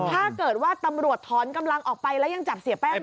ถ้าเกิดว่าตำรวจถอนกำลังออกไปแล้วยังจับเสียแป้ง